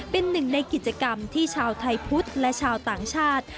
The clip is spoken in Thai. เป็นหนึ่งในกิจกรรมที่ชาวไทยพุทธและชาวต่างชาติ